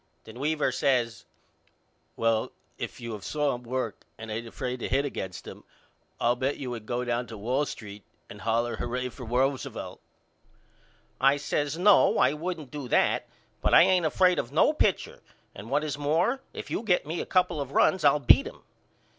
Then Weaver says Well if you have saw him work and ain't afraid to hit against him I'll bet you would go down to Wall Street and holler Hurrah for Roosevelt. I says No I wouldn't do that but I ain't afraid of no pitcher and what is more if you get me a couple of runs I'll beat him.